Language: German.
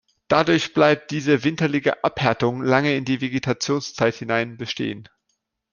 Dadurch bleibt diese winterliche Abhärtung lange in die Vegetationszeit hinein bestehen.